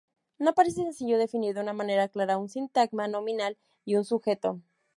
No parece sencillo definir de manera clara un sintagma nominal y un sujeto.